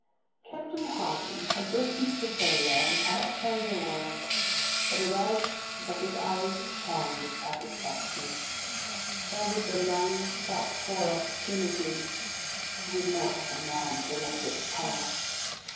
Captain Harding had listened to the sailor without saying a word, but his eyes shone with satisfaction. Here was the long sought for opportunity he was not a man to let it pass.